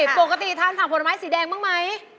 ปกติทานผักผลไม้สีแดงบ้างไหม